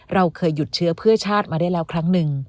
เราเคยหยุดเชื้อเพื่อชาติมาได้แล้วครั้งหนึ่ง